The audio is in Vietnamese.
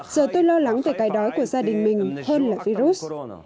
giờ tôi lo lắng về cái đói của gia đình mình hơn là virus